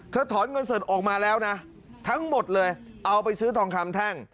ถอนเงินสดออกมาแล้วนะทั้งหมดเลยเอาไปซื้อทองคำแท่ง